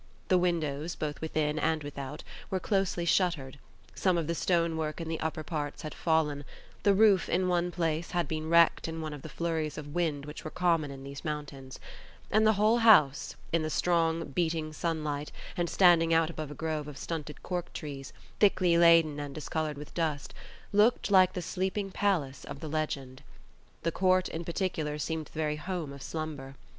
The windows, both within and without, were closely shuttered; some of the stone work in the upper parts had fallen; the roof, in one place, had been wrecked in one of the flurries of wind which were common in these mountains; and the whole house, in the strong, beating sunlight, and standing out above a grove of stunted cork trees, thickly laden and discoloured with dust, looked like the sleeping palace of the legend. The court, in particular, seemed the very home of slumber.